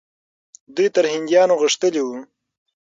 دوی تر هندیانو غښتلي وو.